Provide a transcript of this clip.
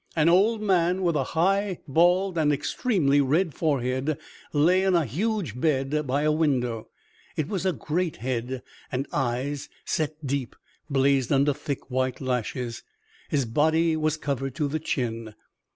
An old man, with a high, bald and extremely red forehead lay in a huge bed by a window. It was a great head, and eyes, set deep, blazed under thick, white lashes. His body was covered to the chin.